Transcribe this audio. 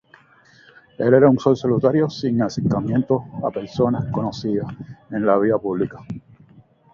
Él era un ser solitario, sin acercamientos a personas conocidas en la vida pública.